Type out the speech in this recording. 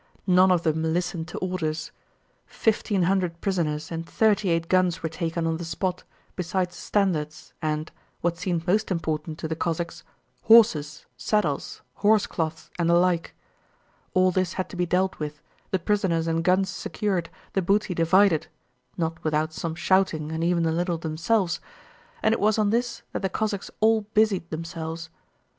None of them listened to orders. Fifteen hundred prisoners and thirty eight guns were taken on the spot, besides standards and (what seemed most important to the Cossacks) horses, saddles, horsecloths, and the like. All this had to be dealt with, the prisoners and guns secured, the booty divided—not without some shouting and even a little fighting among themselves—and it was on this that the Cossacks all busied themselves.